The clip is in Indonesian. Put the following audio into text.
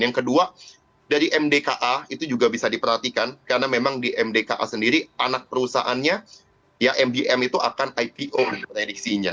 yang kedua dari mdka itu juga bisa diperhatikan karena memang di mdka sendiri anak perusahaannya ya mbm itu akan ipo prediksinya